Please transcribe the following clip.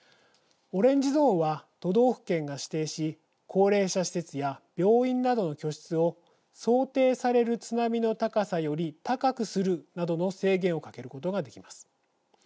オレンジゾーンは都道府県が指定し高齢者施設や病院などの居室を想定される津波の高さより高くするなどの制限をかけることができます。